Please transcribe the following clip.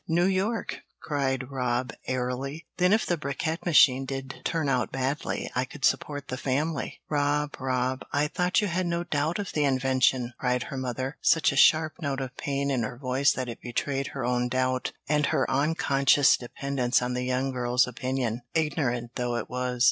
New York," cried Rob, airily. "Then if the bricquette machine did turn out badly I could support the family." "Rob, Rob, I thought you had no doubt of the invention!" cried her mother, such a sharp note of pain in her voice that it betrayed her own doubt, and her unconscious dependence on the young girl's opinion, ignorant though it was.